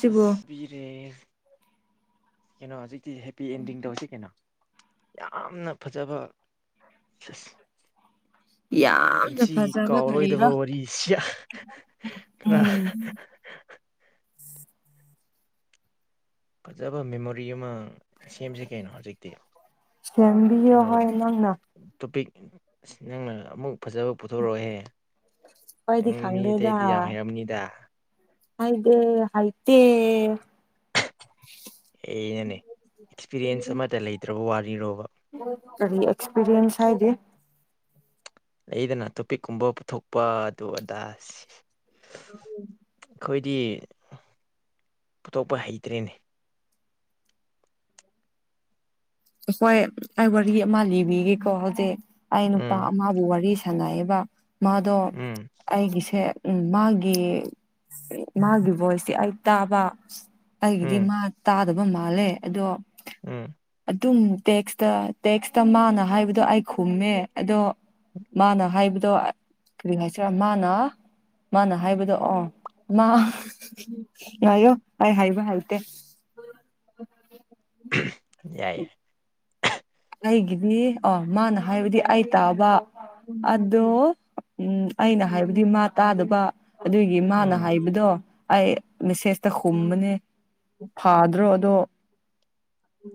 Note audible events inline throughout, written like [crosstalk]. ꯁꯤꯕꯨ ꯑꯁ ꯄꯕꯤꯔꯦ ꯀꯩꯅꯣ ꯍꯧꯖꯤꯛꯇꯤ ꯍꯦꯄꯤ ꯑꯦꯟꯗꯤꯡ ꯇꯧꯁꯤ ꯀꯩꯅꯣ ꯌꯥꯝꯅ ꯐꯖꯕ ꯐꯤꯁ ꯌꯥꯝꯅ ꯐꯖꯕ ꯀꯥꯎꯔꯣꯏꯗꯕ ꯀꯔꯤꯔꯣ ꯋꯥꯔꯤ ꯁꯤꯌꯥ ꯎꯝ ꯈꯔ ꯎꯝ ꯐꯖꯕ ꯃꯦꯃꯣꯔꯤ ꯑꯃ ꯁꯦꯝꯁꯤ ꯀꯩꯅꯣ ꯍꯧꯖꯤꯛꯇꯤ ꯆꯕꯤ ꯀꯩꯅꯣ ꯍ ꯂꯪꯅ ꯇꯣꯄꯤꯛ ꯑꯁ ꯅꯪꯅ ꯑꯃꯨꯛ ꯐꯖꯕ ꯄꯨꯊꯣꯔꯛꯑꯣꯍꯦ ꯎ ꯍꯣꯏꯗꯤ ꯃꯤ ꯇ ꯏꯗꯤ ꯌꯥꯝ ꯍꯥꯏꯔꯝꯅꯤꯗ ꯍꯥꯏꯗ ꯑꯥꯏꯇ ꯑꯩꯅꯅꯦ ꯑꯦꯛꯁꯄꯤꯔꯤꯌꯦꯟꯁ ꯑꯃꯇ ꯂꯩꯇ꯭ꯔꯕ ꯋꯥꯅꯤꯔꯣꯕ ꯀꯔꯤ ꯑꯦꯛꯁꯄꯤꯔꯤꯌꯟꯁ ꯍꯥꯏꯗꯤꯦ ꯂꯩꯗꯅ ꯇꯣꯄꯤꯛꯀꯨꯝꯕ ꯄꯨꯊꯣꯛꯄ ꯑꯗꯨ ꯑꯗꯥꯁ ꯑ ꯗꯤ ꯄꯨꯊꯣꯛꯄ ꯍꯩꯇ꯭ꯔꯦꯅꯦ ꯍꯣꯏ ꯑꯩ ꯋꯥꯔꯤ ꯑꯃ ꯂꯤꯕꯤꯒꯦꯀꯣ ꯍꯧꯖꯤꯛ ꯑꯩ ꯅꯨꯄꯥ ꯎꯝ ꯑꯃꯕꯨ ꯋꯥꯔꯤ ꯁꯥꯟꯅꯩꯌꯦꯕ ꯃꯥꯗꯣ ꯎꯝ ꯑꯩꯒꯤꯁꯦ ꯎꯝ ꯃꯥꯒꯤ ꯃꯥꯒꯤ ꯚꯣꯏꯁꯇꯤ ꯑꯩ ꯇꯥꯕ ꯑꯩꯒꯤꯗꯤ ꯎꯝ ꯃꯥ ꯇꯥꯗꯕ ꯃꯥꯜꯂꯦ ꯑꯗꯣ ꯎꯝ ꯑꯗꯨꯝ ꯇꯦꯛꯁꯇ ꯇꯦꯛꯁꯇ ꯃꯥꯅ ꯍꯥꯏꯕꯗꯣ ꯑꯩ ꯈꯨꯝꯃꯦ ꯑꯗꯣ ꯃꯥꯅ ꯍꯥꯏꯕꯗꯣ ꯀꯔꯤ ꯍꯥꯏꯁꯤꯔ ꯃꯥꯅ ꯃꯥꯅ ꯍꯥꯏꯕꯗꯣ ꯑ ꯃꯥ ꯉꯌꯣ ꯑꯩ ꯍꯥꯏꯕ ꯍꯥꯏꯇꯦ ꯌꯥꯏ ꯌꯥꯏ ꯑꯩꯒꯤꯅꯤ ꯑꯣ ꯃꯥꯅ ꯍꯥꯏꯕꯗꯤ ꯑꯩ ꯇꯥꯕ ꯑꯗꯣ ꯎꯝ ꯑꯩꯅ ꯍꯥꯏꯕꯗꯤ ꯃꯥ ꯇꯥꯗꯕ ꯑꯗꯨꯒꯤ ꯃꯥꯅ ꯎꯝ ꯍꯥꯏꯕꯗꯣ ꯑꯩ ꯃꯦꯁꯦꯖꯇ ꯍꯨꯝꯕꯅꯦ ꯐꯥꯗ꯭ꯔꯣ ꯑꯗꯣ ꯑꯗꯨ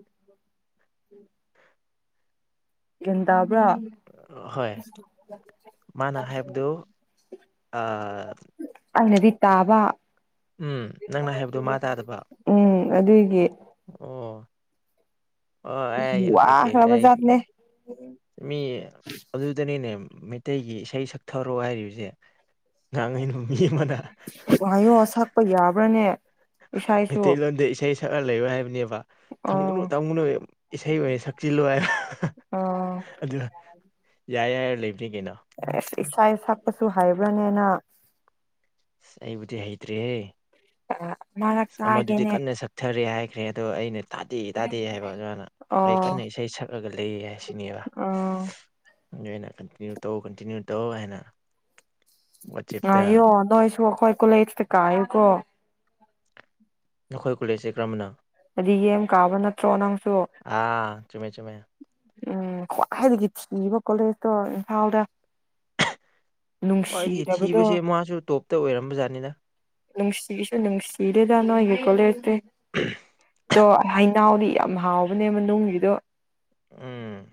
ꯌꯦꯗꯕ꯭ꯔꯥ ꯍꯣꯏ ꯃꯥꯅ ꯍꯥꯏꯦꯕꯗꯨ ꯑꯩꯅꯗꯤ ꯇꯥꯕ ꯅꯪꯅ ꯍꯥꯏꯕꯗꯨ ꯃꯥ ꯇꯥꯗꯕ ꯎꯝ ꯑꯗꯨꯒꯤ ꯑꯣ ꯋꯥꯈ꯭ꯔꯕ ꯑꯦꯦ ꯖꯥꯠꯅꯦ ꯃꯤ ꯑꯗꯨꯗꯅꯤ ꯅ ꯃꯩꯇꯩꯒꯤ ꯏꯁꯩ ꯁꯛꯊꯔꯣ ꯍꯥꯏꯔꯤꯕꯁꯦ ꯉꯥꯡꯉꯩꯅ ꯍꯥꯏꯌꯣꯁꯛꯄ ꯌꯥꯕ꯭ꯔꯥꯅꯦ ꯏꯁꯩꯁꯨ ꯃꯩꯇꯩꯂꯣꯟꯗ ꯏꯁꯩ ꯁꯛꯀ ꯂꯩꯌ ꯍꯥꯏꯕꯅꯦꯕ ꯑ ꯊꯝꯒꯨꯅꯨ ꯇꯝꯒꯨꯅꯨ ꯏꯁꯩ ꯑꯣꯏꯅ ꯁꯛꯆꯤꯜꯂꯣꯏ ꯍꯥꯏ ꯑ ꯑꯗꯨ ꯌꯥꯔꯦ ꯌꯥꯔ ꯂꯩꯕꯅꯤ ꯀꯩꯅꯣ ꯏꯁꯥ ꯁꯛꯄꯁꯨ ꯍꯥꯏꯕ꯭ꯔꯅꯦꯅ ꯑꯁ ꯑꯩꯕꯨꯗꯤ ꯍꯩꯇ꯭ꯔꯤꯍꯦ ꯃꯔꯛ ꯑ ꯃꯗꯨꯗꯤ ꯇꯥꯒꯦꯅꯦ ꯀꯟꯅ ꯁꯛꯊꯔꯦ ꯍꯥꯏꯈ꯭ꯔꯦ ꯑꯗꯣ ꯑꯩꯅ ꯇꯥꯗꯦ ꯇꯥꯗꯦ ꯍꯥꯏꯕ ꯑꯗꯨꯃꯥꯏꯅ ꯑꯩ ꯑꯣ ꯀꯟꯅ ꯏꯁꯩ ꯁꯛꯂꯒ ꯂꯩꯌꯦ ꯍꯥꯏꯁꯤꯅꯦꯕ ꯑꯣ ꯑꯗꯨ ꯑꯩꯅ ꯀꯟꯇꯤꯅ꯭ꯌꯨ ꯇꯧ ꯀꯟꯇꯤꯅ꯭ꯌꯨ ꯇꯧ ꯍꯥꯏꯅ ꯋꯥꯆꯦꯞꯇ ꯑꯣ ꯅꯣꯏꯁꯨꯈꯣꯏ ꯀ ꯂꯩꯁ ꯇ ꯀ ꯏ ꯀꯣ ꯅꯈꯣꯏ ꯀꯨꯂꯦꯖꯁꯦ ꯀꯔꯃꯅ ꯍꯥꯏꯗꯤ ꯌꯦꯦꯝ ꯀꯥꯕ ꯅꯠꯇ꯭ꯔꯣ ꯅꯪꯁꯨ ꯑꯥ ꯆꯨꯝꯃꯦ ꯆꯨꯝꯃꯦ ꯎꯝ ꯈ꯭ꯋꯥꯏꯗꯒꯤ ꯊꯤꯈꯤꯕ ꯀꯣꯂꯦꯖꯇꯣ ꯏꯝꯐꯥꯜꯗ ꯍ ꯑꯩꯗꯤ ꯅꯨꯡꯁꯤꯗꯕꯗꯣ ꯊꯤꯕꯁꯦ ꯃꯥꯁꯨ ꯇꯣꯞꯇ ꯑꯣꯏꯔꯝꯕ ꯖꯥꯠꯅꯤꯗ ꯅꯪ ꯁꯤꯁ ꯅꯪ ꯁꯤꯤꯔꯗꯅꯣ ꯍ ꯀꯣꯂꯦꯔꯛꯇꯦ ꯑꯗꯣ ꯍꯩꯅꯥꯎꯗꯤ ꯌꯥꯝ ꯍꯥꯎꯕꯅꯦ ꯃꯅꯨꯡꯒꯤꯗꯣ ꯎꯝ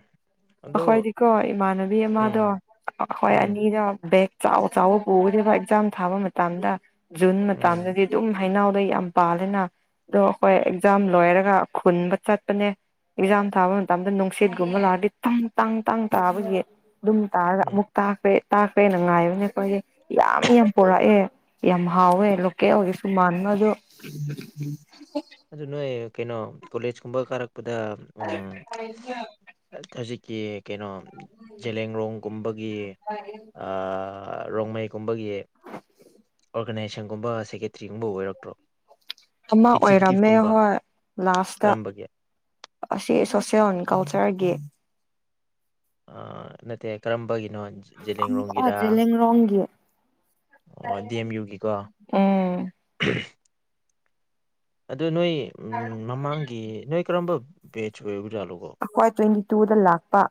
ꯑꯗꯣ ꯑꯩꯈꯣꯏꯗꯤꯀꯣ ꯏꯃꯥꯟꯅꯕꯤ ꯑꯃꯗꯣ ꯎꯝ ꯑꯩꯈꯣꯏ ꯎꯝ ꯑꯅꯤꯗ ꯕꯦꯛ ꯆꯥꯎ ꯆꯥꯎꯕ ꯄꯨꯒꯗꯤꯕ ꯑꯦꯛꯖꯥꯝ ꯊꯥꯕ ꯃꯇꯝꯗ ꯖꯨꯟ ꯎꯝ ꯃꯇꯗꯗꯤ ꯑꯗꯨꯝ ꯍꯩꯅꯎ ꯗꯩ ꯌꯥꯝ ꯄꯥꯂꯦꯅ ꯑꯗꯣ ꯑꯩꯈꯣꯏ ꯑꯦꯛꯖꯥꯝ ꯂꯣꯏꯔꯒ ꯈꯨꯟꯕ ꯆꯠꯄꯅꯦ ꯑꯦꯛꯖꯥꯝ ꯊꯥꯕ ꯃꯇꯝꯗ ꯅꯨꯡꯁꯤꯠꯀꯨꯝꯕ ꯂꯥꯛꯔꯗꯤ ꯇꯥꯡ ꯇꯥꯡ ꯇꯥꯡ ꯇꯥꯕꯒꯤ ꯑꯗꯨꯝ ꯇꯥꯔꯒ ꯎꯝ ꯑꯃꯨꯛ ꯇꯥꯈ꯭ꯔꯦ ꯇꯥꯛꯈ꯭ꯔꯦꯅ ꯉꯥꯏꯕꯅꯦ ꯑꯩꯈꯣꯏꯒꯤ ꯌꯥꯝ ꯌꯥꯝ ꯄꯨꯣꯔꯛꯑꯦ ꯌꯥꯝ ꯍꯥꯎꯋꯦ ꯂꯣꯀꯦꯜ ꯑꯣꯏꯒꯁꯨ ꯃꯥꯟꯕ ꯑꯗꯣ ꯑꯗꯨ ꯅꯣꯏ ꯀꯩꯅꯣ ꯀꯣꯂꯦꯖ ꯀꯨꯝꯕ ꯀꯥꯔꯛ ꯗ ꯎ ꯍꯧꯖꯤꯛꯀꯤ ꯀꯩꯅꯣ ꯡꯂꯡꯂꯣꯡꯒꯨꯝꯕꯒꯤ ꯔꯣꯡꯃꯩꯒꯨꯝꯕꯒꯤ [unintelligible] ꯑꯣꯔꯒꯅꯥꯏꯖꯦꯁꯟꯒꯨꯝꯕ ꯁꯦꯀꯦꯇꯔꯤꯒꯨꯝꯕ ꯑꯣꯏꯔꯛꯇ꯭ꯔꯣ ꯑꯃ ꯑꯣꯏ ꯑꯣꯏꯔꯝ ꯃ ꯑꯦꯛꯖꯤꯀ꯭ꯌꯨꯇꯤꯞꯀꯨꯝꯕ ꯍꯣꯏ ꯂꯥꯁꯇ ꯀꯔꯝꯕꯒꯤ ꯑꯁꯤ ꯁꯣꯁꯦꯜ ꯀꯜꯆꯔꯒꯤ ꯑ ꯅꯠꯇꯦ ꯀꯔꯝꯕꯒꯤ ꯖꯤ ꯂꯔꯣꯡꯒꯤ ꯑꯣ ꯗꯤ ꯑꯦꯝ ꯌꯨꯒꯤꯀꯣ ꯎꯝ ꯑꯗꯨ ꯅꯣꯏ ꯎ ꯃꯃꯥꯡꯒꯤ ꯅꯣꯏ ꯀꯔꯝꯕ ꯕꯦꯆ ꯑꯣꯏꯅ ꯑꯩꯈ꯭ꯣꯏ ꯇ꯭ꯋꯦꯟꯇꯤ ꯇꯨꯗ ꯂꯥꯛꯄ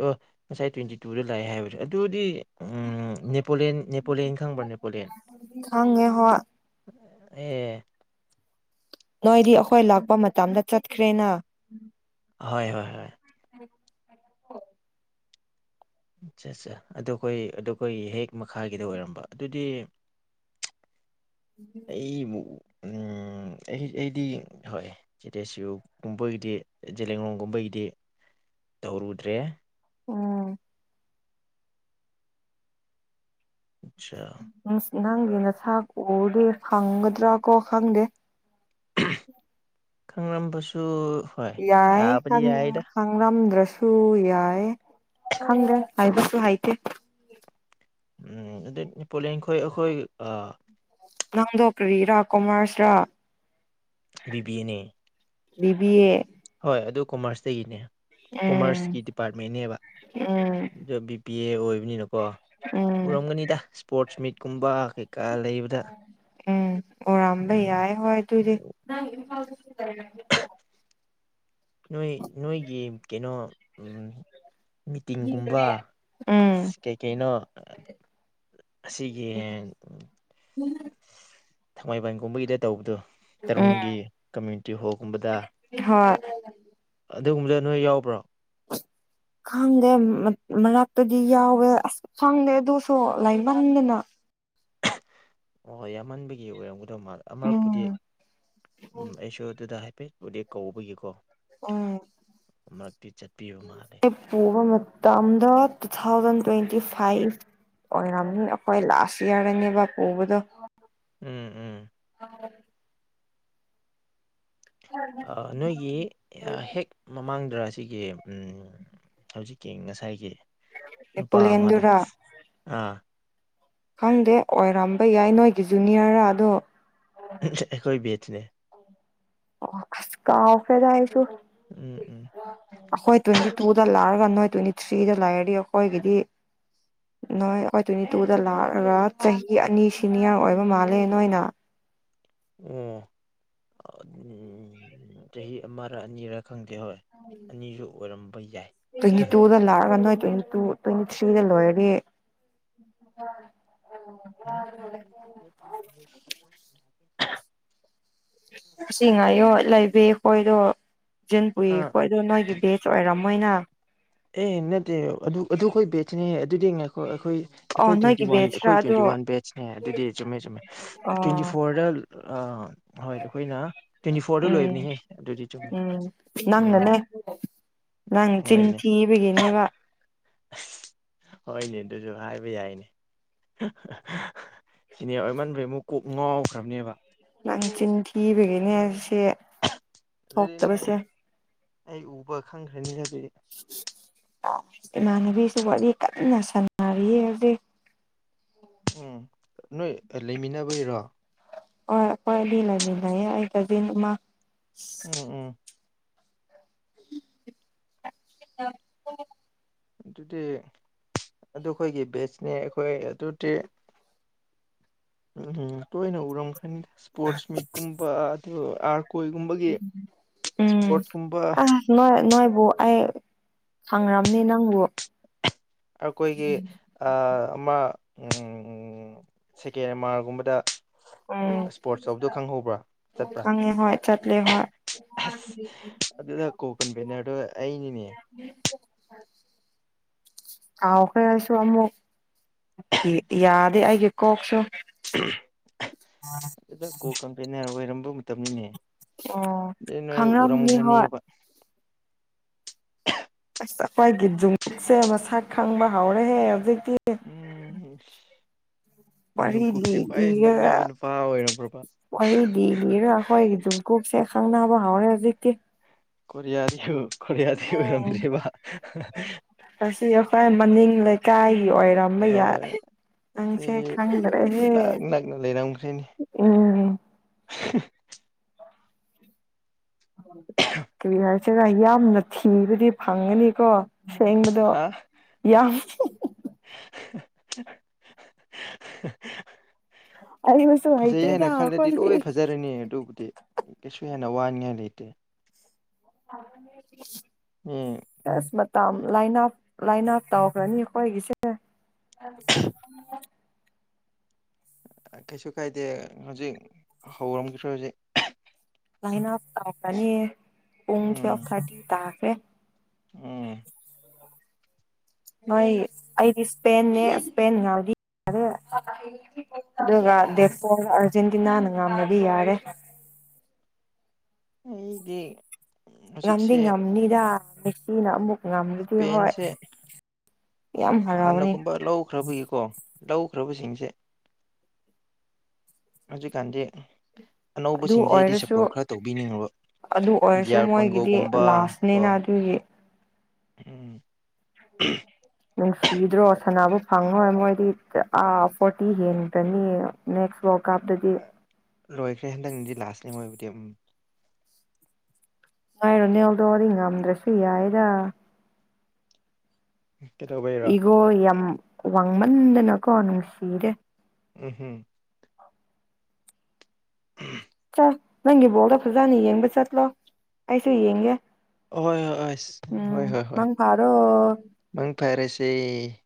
ꯑꯣ ꯉꯁꯥꯏ ꯇ꯭ꯋꯦꯟꯇꯤ ꯇꯨꯗ ꯂꯥꯛꯑꯦ ꯍꯥꯏꯕꯁꯦ ꯑꯗꯨꯗꯤ ꯅꯦꯄꯣꯂꯤꯦꯟ ꯅꯦꯄꯣꯂꯤꯦꯟ ꯈꯪꯕ꯭ꯔꯥ ꯅꯦꯄꯣꯂꯤꯌꯥꯦꯟ ꯈꯪꯉꯦ ꯍꯣꯏ ꯑꯦ ꯅꯣꯏꯗꯤ ꯑꯩꯈꯣꯏ ꯂꯥꯛꯄ ꯃꯇꯝꯗ ꯆꯠꯈ꯭ꯔꯦꯅ ꯍꯣꯏ ꯍꯣꯏ ꯍꯣꯏ ꯍ ꯑꯠꯆꯥ ꯑꯠꯆꯥ ꯑꯗꯣ ꯑꯩꯈꯣꯏ ꯑ ꯑꯩꯈꯣꯏꯒꯤ ꯍꯦꯛ ꯃꯈꯥꯒꯤꯗ ꯑꯣꯏꯔꯝꯕ ꯑꯗꯨꯗꯤ ꯑꯩ ꯎꯝ ꯑꯩ ꯑꯩꯗꯤ ꯍꯣꯏ ꯆꯦꯇꯦꯆꯌꯨꯔꯒꯨꯝꯕꯒꯤꯗꯤ ꯂꯡꯂꯣꯡꯒꯨꯝꯕꯒꯤꯗꯤ ꯇꯧꯔꯨꯗ꯭ꯔꯦ ꯎꯝ ꯑꯆꯥꯆꯥ ꯅꯪꯒꯤ ꯅꯁꯥ ꯀꯎꯗꯦ ꯈꯪꯒꯗ꯭ꯔꯥ ꯀꯣ ꯈꯪꯗꯦ ꯈꯪꯂꯝꯝꯕꯁꯨ ꯌꯥꯏ ꯈꯪꯉꯝꯗ꯭ꯔꯁꯨ ꯁꯨ ꯌꯥꯏ ꯈꯪꯗꯦ ꯍꯥꯏꯕꯁꯨ ꯍꯥꯏꯇꯦ ꯎꯝ ꯑꯗꯨꯩ ꯄꯣꯂꯤꯡꯈꯣꯏ ꯑꯩꯈꯣꯏ ꯅꯥꯡꯗꯣꯛꯈꯔꯤꯔꯥ ꯀꯨꯃꯥꯔꯁꯤꯔꯥ ꯕꯤ ꯕꯤ ꯑꯦꯅꯦ ꯕꯤ ꯑꯦ ꯍꯣꯏ ꯑꯗꯨ ꯀꯣꯃꯔꯁꯇꯒꯤꯅꯦ ꯎꯝ ꯀꯣꯃꯔꯁꯀꯤ ꯗꯤꯄꯥꯔꯠꯃꯦꯟꯅꯦꯕ ꯎꯝ ꯑ ꯄꯤ ꯑꯦ ꯑꯣꯏꯕꯅꯤꯅꯀꯣ ꯎꯝ ꯎꯔꯝꯒꯅꯤꯗ ꯁ꯭ꯄꯣꯔꯠꯁ ꯃꯤꯠꯀꯨꯝꯕ ꯀꯩ ꯎꯝ ꯑꯣꯔꯝꯕꯩ ꯎꯝ ꯌꯥꯌꯦ ꯍꯣꯏ ꯑꯗꯨꯗꯤ [unintelligible] ꯅꯣꯏ ꯅꯣꯏꯒꯤ ꯀꯩꯅꯣ ꯃꯤꯇꯤꯡꯒꯨꯝꯕ ꯎꯝ ꯀꯩꯀꯩꯅꯣ ꯑꯁꯤꯒꯤ [unintelligible] ꯊꯥꯡꯃꯩꯕꯟꯒꯨꯝꯕꯒꯤꯗ ꯇꯧꯕꯗꯨ ꯎꯝ ꯇꯔꯨꯡꯒꯤ ꯀꯝꯃ꯭ꯌꯨꯅꯤꯇꯤ ꯍꯣꯜꯒꯨꯝꯕꯗ ꯍꯣꯏ ꯑꯗꯨꯒꯨꯝꯕꯗ ꯅꯣꯏ ꯌꯥꯎꯕ꯭ꯔꯣ ꯍ ꯈꯪꯗꯦ ꯃꯔꯛꯇꯗꯤ ꯌꯥꯎꯋꯦ ꯑꯁ ꯈꯪꯗꯦ ꯑꯗꯨꯁꯨ ꯂꯥꯏꯔꯤꯛ ꯃꯍꯟꯗꯅ ꯍꯣꯏ ꯌꯥꯝꯃꯟꯕꯒꯤ ꯑꯣꯏꯔꯝꯒꯗꯧ ꯃꯥꯜ ꯑꯃꯔꯛꯄꯨꯗꯤ ꯎꯝ ꯎꯝ ꯎꯝ ꯑꯩꯁꯨ ꯑꯗꯨꯗ ꯍꯥꯏ ꯐꯦ ꯗꯦꯛ ꯀꯧꯕꯒꯤꯀꯣ ꯑꯃꯨꯔꯛꯇꯤ ꯆꯠꯄꯤꯕ ꯃꯥꯜꯂꯦ ꯎꯝ ꯄꯕ ꯇꯗ ꯇꯨ ꯊꯥꯎꯖꯟ ꯇ꯭ꯋꯦꯟꯇꯤ ꯐꯥꯏꯚ ꯑꯣꯏꯔꯥꯝꯃꯤ ꯑꯩꯈꯣꯏ ꯂꯥꯁ ꯏꯌꯥꯔꯅꯦꯕ ꯄꯨꯕꯗꯣ ꯎꯝ ꯎꯝ [unintelligible] ꯅꯣꯏꯒꯤ ꯍꯦꯛ ꯃꯃꯥꯡꯗ꯭ꯔ ꯑꯁꯤꯒꯤ ꯎꯝ ꯍꯧꯖꯤꯛꯀꯤ ꯉꯁꯥꯏꯒꯤ ꯅꯨꯄꯥ ꯑꯃꯗ ꯅꯦꯄꯣꯂꯤꯌꯟꯗꯨꯔꯥ ꯑꯥ ꯈꯪꯗꯦ ꯑꯣꯏꯔꯝꯕ ꯌꯥꯏ ꯅꯣꯏꯒꯤ ꯖꯨꯅꯤꯌꯔ ꯑꯗꯣ ꯑꯩꯣꯏ ꯦꯠꯅꯦ ꯑꯣ ꯀꯥꯎ ꯑꯣꯐꯦꯗꯥꯏꯁꯨ ꯎꯝ ꯎꯝ ꯇ꯭ꯋꯦꯟꯇꯤ ꯇꯨꯗ ꯂꯥꯛꯑꯒ ꯅꯣꯏ ꯇ꯭ꯋꯦꯟꯇꯤ ꯊ꯭ꯔꯤꯗ ꯂꯥꯛꯔꯗꯤ ꯑꯩꯈꯣꯏꯒꯤꯗꯤ ꯅꯣꯏ ꯑꯩꯈꯣꯏ ꯇ꯭ꯋꯦꯟꯇꯤ ꯇꯨꯗ ꯂꯥꯛꯑꯒ ꯆꯍꯤ ꯑꯅꯤ ꯁꯤꯅꯤꯌꯔ ꯑꯣꯏꯕ ꯃꯥꯜꯂꯦ ꯅꯣꯏꯅ ꯑꯣ ꯎ ꯆꯍꯤ ꯑꯃꯔ ꯑꯅꯤꯔꯛ ꯈꯪꯗꯦ ꯍꯣꯏ ꯑꯅꯤꯁꯨ ꯑꯣꯏꯔꯝꯕ ꯌꯥꯏ ꯇ꯭ꯋꯦꯟꯇꯤ ꯇꯨꯗ ꯂꯥꯛꯑꯒ ꯅꯣꯏ ꯇ꯭ꯋꯦꯟꯇꯤ ꯇꯨ ꯇ꯭ꯋꯦꯟꯇꯤ ꯊ꯭ꯔꯤꯗ ꯂꯣꯏꯔꯗꯤ ꯎꯝ ꯑꯁꯤ ꯉꯥꯏꯌꯣ ꯂꯩꯕꯈꯣꯏꯗꯣ ꯦꯟ ꯄꯨꯨꯏ ꯑꯥ ꯑꯩꯣꯏꯗꯣ ꯅꯣꯏꯒꯤ ꯕꯦꯖ ꯑꯣꯏꯔꯝꯃꯣꯏꯅ ꯑꯦ ꯅꯠꯇꯦ ꯑꯗꯨ ꯑꯗꯨ ꯑꯩꯈꯣꯏ ꯕꯦꯠꯁꯅꯦꯍ ꯑꯗꯨꯗꯤ ꯉꯥꯏꯣ ꯑꯩꯈꯣꯏ ꯑꯣ ꯑꯩꯈꯣꯏ ꯇ꯭ꯋꯦꯟꯇꯤ ꯅꯣꯏꯒꯤ ꯋꯥꯟ ꯕꯦꯁꯔꯥ ꯑꯩꯈꯣꯏ ꯑꯗꯣ ꯇ꯭ꯋꯦꯟꯇꯤ ꯋꯥꯟ ꯕꯦꯠꯁꯅꯦ ꯑꯗꯨꯗꯤ ꯆꯨꯝꯃꯦ ꯆꯨꯝꯃꯦ ꯇ꯭ꯋꯦꯟꯇꯤ ꯑꯣ ꯐꯣꯔꯗ ꯑꯥ ꯍꯣꯏꯗꯤ ꯑꯩꯈꯣꯏꯅ ꯇ꯭ꯋꯦꯟꯇꯤ ꯐꯣꯔꯗ ꯎꯝ ꯂꯣꯏꯕꯅꯤꯍꯦ ꯑꯗꯨꯗꯤ ꯆꯨꯝꯃꯦ ꯎꯝ ꯎꯝ ꯅꯪꯅꯅꯦ ꯅꯪ ꯆꯤꯟ ꯍꯣꯏꯅꯦ ꯊꯤꯕꯒꯤꯅꯦꯕ ꯍꯣꯏꯅꯦ ꯑꯗꯨꯁꯨ ꯍꯥꯏꯕ ꯌꯥꯏꯅꯦ ꯁꯤꯅꯦ ꯑꯣꯏꯃꯟꯕꯩ ꯑꯃꯨꯛ ꯀꯣꯛ ꯉꯥꯎꯈ꯭ꯔꯕꯅꯦꯕ ꯂꯪꯆꯤꯟ ꯊꯤꯕꯒꯤꯅꯦ ꯁꯤ ꯑꯗꯨꯗꯤ ꯅꯪ ꯊꯣꯛꯇꯕꯁꯦ ꯑꯩ ꯎꯕ ꯈꯪꯈ꯭ꯔꯅꯤ ꯍꯥꯏꯕꯗꯤ ꯏꯃꯥꯟꯅꯕꯤꯁꯨ ꯋꯥꯔꯤ ꯀꯟꯅ ꯁꯥꯟꯅꯔꯤ ꯍꯧꯖꯤꯛ ꯎꯝ ꯅꯣꯏ ꯂꯩꯃꯤꯟꯅꯕꯩꯔꯣ ꯑꯩꯈꯣꯏꯕꯤꯕꯤꯗꯌꯦ ꯑꯩ ꯀꯖꯤꯟ ꯃꯥ ꯎꯝ ꯎꯝ [unintelligible] ꯑꯗꯨꯗꯤ ꯑꯗꯨꯈꯣꯏꯒꯤ ꯕꯦꯁꯅꯦ ꯑꯩꯈꯣꯏ ꯑꯗꯨꯗꯤ ꯎꯝ ꯎꯝ ꯇꯣꯏꯅ ꯎꯔꯝꯒꯅꯤꯗ ꯏꯁꯄꯣꯔꯠꯁ ꯃꯤꯠꯀꯨꯝꯕ ꯑꯗꯨ ꯑꯥ ꯎꯝ ꯑ ꯅꯣꯏ ꯅꯣꯏ ꯧ ꯑ ꯁꯥꯡꯒ꯭ꯔꯥꯝꯅꯦ ꯅꯪꯕ ꯑꯩꯈꯣꯏꯒꯤ ꯑꯃ ꯁꯦꯀꯦꯟ ꯑꯃꯥꯔꯒꯨꯝꯕꯗ ꯎꯝ ꯏꯁꯄꯣꯔꯠꯁ ꯇꯧꯕꯗꯣ ꯈꯪꯍꯧꯕ꯭ꯔꯥ ꯆꯠꯄ꯭ꯔꯥ ꯈꯪꯉꯦ ꯍꯣꯏ ꯆꯠꯂꯦ ꯍꯣꯏ ꯑꯁ ꯑꯗꯨꯗ ꯀꯣꯀꯟꯚꯦꯅꯤꯔꯗꯣ ꯑꯩꯅꯤꯅꯦ [unintelligible] ꯉꯥꯎꯈꯔ‌ꯦ ꯑꯩꯁꯨ ꯑꯃꯨꯛ ꯌꯥꯗꯦ ꯑꯩꯒꯤ ꯀꯣꯛꯁꯨ ꯑꯗꯨꯗ ꯀꯣ ꯀꯟꯚ‌ꯦꯅꯔ ꯑꯣꯏꯔꯝꯕ ꯃꯇꯝꯅꯤꯅꯦ ꯑꯣ ꯑꯗꯨꯗꯤ ꯅꯣꯏ ꯈꯪꯔꯝꯅꯤ ꯍꯣꯏ ꯎꯔꯝꯘꯅꯤꯕ ꯑꯩꯈꯣꯏꯒꯤ ꯖꯨꯡꯃꯤꯠꯁꯦ ꯃꯁꯛ ꯈꯪꯕ ꯍꯧꯔꯍꯦ ꯍꯧꯖꯤꯛꯇꯤ ꯋꯥꯔꯤ ꯂꯤ ꯌꯣꯡꯀꯨꯛꯀꯤ ꯈꯥꯎꯋꯥꯏ ꯅꯛꯅꯕ ꯅꯨꯄꯥ ꯑꯣꯏꯔꯕꯔꯥꯕ ꯋꯥꯔꯤꯗꯤꯒꯤꯔꯥ ꯑꯩꯈꯣꯏꯒꯤ ꯖꯨꯡ ꯀꯣꯛꯁꯦ ꯈꯪꯅꯕ ꯍꯧꯎꯔꯦ ꯍꯧꯖꯤꯛꯇꯤ ꯀꫭꯔꯤꯌꯥꯗꯨ ꯀꯔꯤꯌꯥꯗꯒꯤ ꯎꯝ ꯑꫭꯏꯔꯝꯗ‌ꯦꯕ ꯑꯁꯤ ꯑꯩꯈꯣꯏ ꯃꯅꯤꯡ ꯂꯩꯀꯥꯏꯒꯤ ꯑꯣꯏꯔꯝꯕ ꯌꯥꯏ ꯅꯪꯁꯦ ꯈꯪꯗ꯭ꯔꯦꯍꯦ ꯁ ꯎꯝ [unintelligible] ꯀꯔꯤ ꯍꯥꯏꯁꯤꯔꯥ ꯌꯥꯝꯅ ꯊꯤꯕꯗꯤ ꯐꯪꯒꯅꯤꯀꯣ ꯁꯦꯡꯕꯗꯣ ꯍꯥ ꯌꯥꯝ ꯑꯩꯅꯁꯨ [unintelligible] ꯐꯖꯩ ꯍꯩꯇꯦꯗ ꯍꯥꯏꯅ ꯈꯜꯂꯗꯤ ꯂꯣꯏ ꯑꯩꯈꯣꯏꯗꯤ ꯐꯖꯔꯅꯤ ꯑꯗꯨꯕꯨꯗꯤ ꯀꯩꯁꯨ ꯍꯦꯟꯅ ꯋꯥꯅꯤꯡꯉꯥꯏ ꯂꯩꯇꯦ ꯃꯤ ꯑꯁ ꯃꯥ ꯂꯥꯏꯅꯥ ꯂꯥꯏꯅꯥ ꯇꯧꯈ꯭ꯔꯅꯤ ꯑꯩꯈꯣꯏꯒꯤꯁꯦ ꯀꯩꯁꯨ ꯀꯥꯏꯗꯦ ꯍꯧꯖꯤꯛ ꯍꯧꯔꯝꯈꯤ꯭ꯔꯦ ꯍꯧꯖꯤꯛ ꯂꯥꯏꯟ ꯑꯞ ꯇꯥꯀꯅꯤ [unintelligible] ꯄꯨꯡ ꯇꯨꯋꯦꯜꯐ ꯎꯝ ꯊꯥꯔꯇꯤ ꯇꯥꯈ꯭ꯔꯦ ꯎꯝ ꯍꯣꯏ ꯑꯩꯗꯤ ꯏꯁꯄꯦꯟꯅꯦ ꯏꯁꯄꯦꯟ ꯌꯥꯎꯔꯗꯤ ꯌ‌ꯥꯔ‌ꯦ ꯑꯗꯨꯒ ꯑꯩ ꯗꯦꯀꫭꯝꯅ ꯑꯥꯔꯖꯦꯟꯇꯤꯅꯥꯅ ꯉꯝꯃꯗꯤ ꯌꯥꯔꯦ ꯑꯩꯗ [unintelligible] ꯉꯝꯗꯤ ꯉꯝꯅꯤꯗ ꯃꯦꯁꯤꯅ ꯑꯃꯨꯛ ꯉꯝꯕꯗꯤ ꯍꯣꯏ ꯏꯁꯄꯦꯟꯁꯦ ꯌꯥꯝ ꯍꯔꯥꯎꯅꯤ ꯍꯥꯟꯅꯒꯨꯝꯕ ꯂꯧꯈ꯭ꯔꯕꯒꯤꯀꯣ ꯂꯧꯈ꯭ꯔꯕꯁꯤꯡꯁꯦ ꯍꯧꯖꯤꯛꯀꯥꯟꯗꯤ ꯑꯗꯨ ꯑꯅꯧꯕꯁꯤꯡꯁꯦ ꯑꯩꯗꯤ ꯑꯣꯏꯔꯁꯨ ꯁꯞꯄꯣꯔꯠ ꯈꯔ ꯇꯧꯕꯤꯅꯤꯡꯉꯥꯕ ꯑꯗꯨ ꯑꯣꯏꯔꯁꯨ ꯃꯣꯏꯒꯤꯗꯤ ꯀꯣ ꯂꯥꯁꯅꯤꯅ ꯑꯗꯨꯒꯤ ꯎꯝ ꯅꯨꯡꯁꯤꯗ꯭ꯔꯣ ꯁꯅꯥꯕꯨ ꯐꯪꯉꯣꯏ ꯃꯣꯏꯗꯤꯥ ꯑꯥ ꯐꯣꯔꯇꯤ ꯍꯦꯟꯒꯅꯤ ꯅꯦꯛꯁ ꯋꯥꯔꯜ ꯀꯥꯞꯇꯗꯤ ꯂꯣꯏꯈ꯭ꯔꯦ ꯍꯟꯗꯛꯅꯗꯤ ꯂꯥꯁꯅꯦ ꯃꯑꯣꯏꯕꯨꯗꯤ ꯎꯝ ꯅꫭꯏ ꯔꯣꯅꯦꯜꯗꯣꯗꯤ ꯉꯝꯗ꯭ꯔꯁꯨ ꯌꯥꯏꯗꯥ ꯀꯩꯗꯧꯕꯩꯔꯣ ꯏꯒꯣ ꯌꯥꯝ ꯋꯥꯡꯃꯟꯗꯅꯀꯣ ꯅꯨꯡꯁꯤꯗ‌ꯦ ꯎꯝ ꯎꯝ [unintelligible] ꯎꯝ [unintelligible] ꯆꯠ ꯅꯪꯒꯤ ꯕꯣꯜꯗꯣ ꯐꯖꯅ ꯌꯦꯡꯕ ꯆꯠꯂꯣ ꯑꯩꯁꯨ ꯌꯦꯡꯒꯦ ꯑꯍꯣꯏ ꯍꯣꯏ ꯍꯣꯏ ꯍꯣꯏ ꯎꯝ ꯍꯣꯏ ꯍꯣꯏ ꯃꯪ ꯐꯥꯔꯣ ꯃꯪ ꯐꯔꯦꯁ‌ꯦ